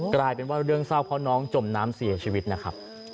กลายเป็นว่าเรื่องเศร้าเพราะน้องจมน้ำเสียชีวิตนะครับ